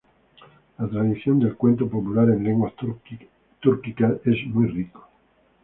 La tradición del cuento popular en lenguas túrquicas es muy rico.